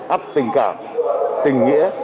ấp tình cảm tình nghĩa